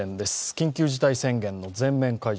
緊急事態宣言の全面解除。